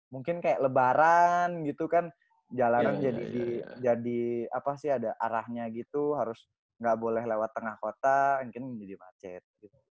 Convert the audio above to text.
mungkin kayak lebaran gitu kan jalanan jadi apa sih ada arahnya gitu harus nggak boleh lewat tengah kota mungkin jadi macet